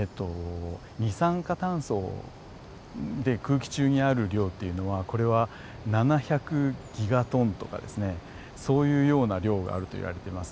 二酸化炭素で空気中にある量っていうのはこれは７００ギガトンとかですねそういうような量があるといわれています。